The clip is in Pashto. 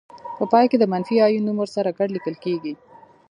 په پای کې د منفي آیون نوم ورسره ګډ لیکل کیږي.